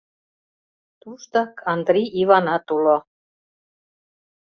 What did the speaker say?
Туштак Андри Иванат уло.